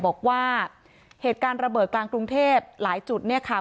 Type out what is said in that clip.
บอกว่าเหตุการณ์ระเบิดกลางกรุงเทพหลายจุดเนี่ยค่ะ